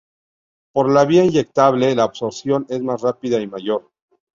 Por la vía inyectable, la absorción es más rápida y mayor.